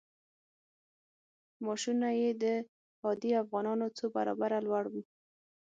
معاشونه یې د عادي افغانانو څو برابره لوړ وو.